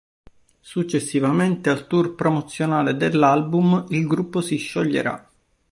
Successivamente al tour promozionale dell'album, il gruppo si scioglierà.